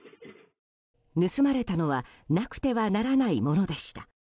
盗まれたのはなくてはならないものでした。